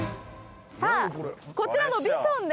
さあこちらの。